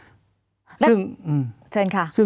กลับเชิญค่ะ